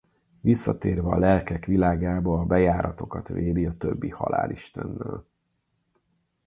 Visszatérve a Lelkek Világába a bejáratokat védi a többi halálistennel.